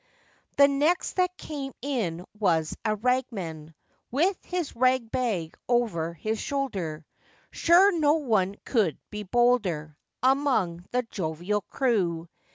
The next that came in was a ragman, With his rag bag over his shoulder, Sure no one could be bolder Among the jovial crew.